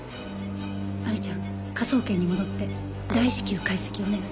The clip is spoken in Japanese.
亜美ちゃん科捜研に戻って大至急解析お願い。